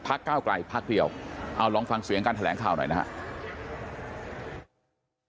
ก้าวไกลพักเดียวเอาลองฟังเสียงการแถลงข่าวหน่อยนะครับ